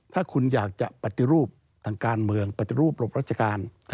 ถ้าคุณอยากจะปัจจิรูปทางการเมืองปัจจิรูปรบรัชกาล